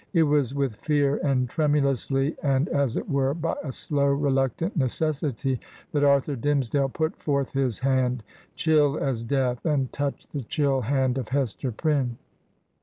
... It was with fear, and tremulously, and, as it were, by a slow, reluctant necessity, that Arthur Dimmesdale put forth his hand, chill as death, and touched the chill hand of Hester Prjnine.